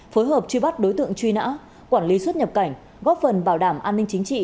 phối hợp truy bắt đối tượng truy nã quản lý xuất nhập cảnh góp phần bảo đảm an ninh chính trị